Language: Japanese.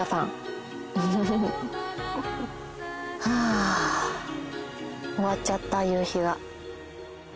ハァ終わっちゃった夕日が。